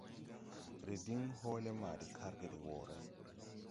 Re diŋ hɔɔle ma de karge de wɔɔre.